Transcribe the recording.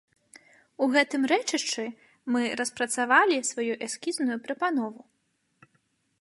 У гэтым рэчышчы мы распрацавалі сваю эскізную прапанову.